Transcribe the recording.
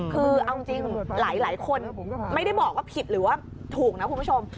คือเอาจริงหลายคนไม่ได้บอกว่าผิดหรือว่าถูกนะคุณผู้ชม